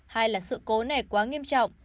hai là sự cố này quá nghiêm trọng